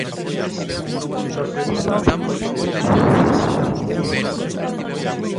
¿Son finalistas?